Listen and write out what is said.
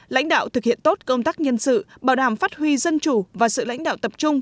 lãnh đạo thực hiện tốt công tác nhân sự bảo đảm phát huy dân chủ và sự lãnh đạo tập trung